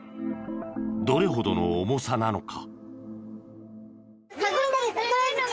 どれほどの重さなのか？